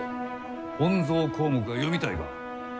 「本草綱目」が読みたいか？